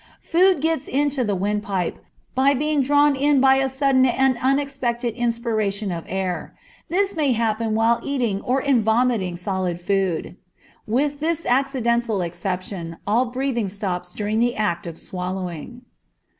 Food gets into the windpipe, by being drawn in by a sudden and unexpected inspiration of air. This may happen while eating or in vomiting solid food. With this accidental exception all breathing stops during the act of swallowing.